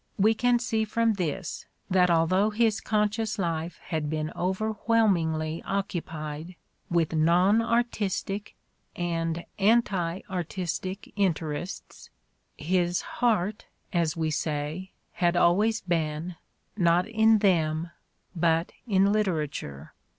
We can see from this that although his conscious life had been overwhelmingly occupied with non artistic and anti artistic interests, his "heart," as we say, had always been, not in them, but in litera ture.